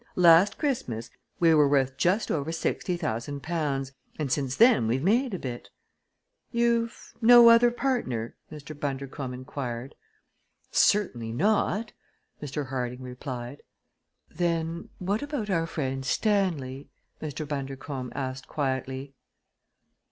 Last Christmas we were worth just over sixty thousand pounds and since then we've made a bit." "You've no other partner?" Mr. Bundercombe inquired. "Certainly not!" Mr. Harding replied. "Then what about our friend Stanley?" Mr. Bundercombe asked quietly.